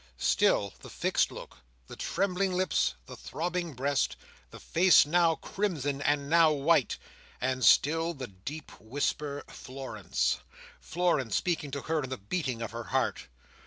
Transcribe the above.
Still the fixed look, the trembling lips, the throbbing breast, the face now crimson and now white; and still the deep whisper Florence, Florence, speaking to her in the beating of her heart.